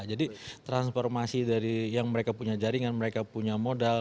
jadi transformasi dari yang mereka punya jaringan mereka punya modal